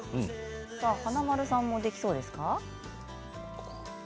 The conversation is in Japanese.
華丸さんもできそうですか。